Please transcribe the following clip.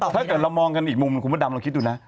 ถ้าเกิดเรามองกันอีกมุมคุณพระดำลองคิดดูนะ